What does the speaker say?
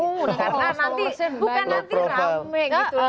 karena nanti bukan nanti rame gitu